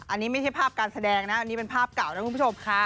อันนี้ไม่ใช่ภาพการแสดงนะอันนี้เป็นภาพเก่านะคุณผู้ชมค่ะ